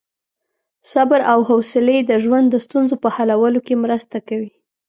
صبر او حوصلې د ژوند د ستونزو په حلولو کې مرسته کوي.